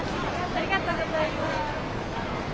ありがとうございます。